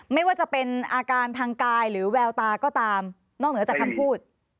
ไม่ว่าจะเป็นอาการทางกายหรือแววตาก็ตามนอกเหนือจากคำพูด